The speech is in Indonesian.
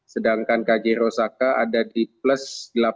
sedangkan kjri osaka ada di plus delapan ratus delapan belas